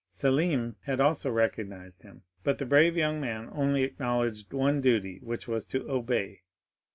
Selim had also recognized him, but the brave young man only acknowledged one duty, which was to obey.